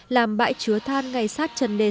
làm bãi chứa than ngay sát chân nước